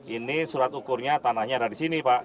ini surat ukurnya tanahnya ada di sini pak